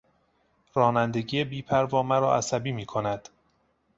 رانندگی بی پروا مرا عصبی میکند.